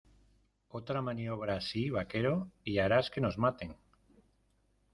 Otra maniobra así, vaquero , y harás que nos maten.